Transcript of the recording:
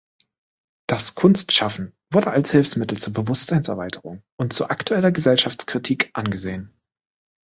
Das Kunstschaffen wurde als Hilfsmittel zur Bewusstseinserweiterung und zu aktueller Gesellschaftskritik angesehen.